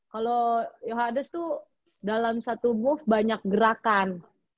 kalo yohannes tuh dalam satu move banyak gerakan